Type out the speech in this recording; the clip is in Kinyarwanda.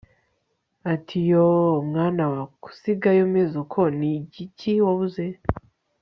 atiYooooooMwana wa kusigaye umezuko nigiki wabuze